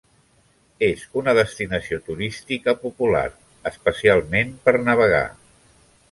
És una destinació turística popular, especialment per navegar.